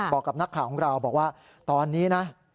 บอกกับนักข่าวของเราบอกว่าตอนนี้นะ